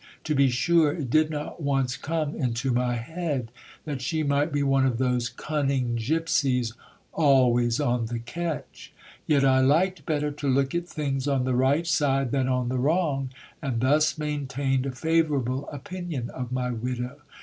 To be sure, it did not once come into my head that she might be one of those cunning gipsies always on the catch. Yet I liked better to look at things on the right side than on the wrong, and thus maintained a favourable opinion of my widow.